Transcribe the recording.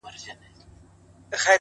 هغه ياغي شاعر له دواړو خواو لمر ویني چي’